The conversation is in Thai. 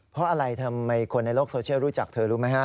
เพราะอะไรทำไมคนในโลกโซเชียลรู้จักเธอรู้ไหมฮะ